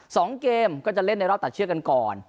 สองเกมก็จะเล่นในรอบตัดเชือกกันก่อน